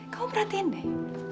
kamu perhatiin deh